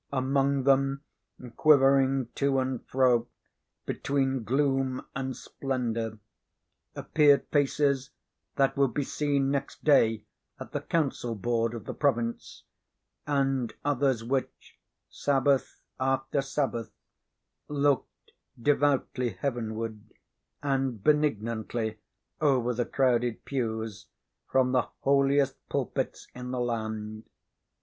Among them, quivering to and fro between gloom and splendor, appeared faces that would be seen next day at the council board of the province, and others which, Sabbath after Sabbath, looked devoutly heavenward, and benignantly over the crowded pews, from the holiest pulpits in the land.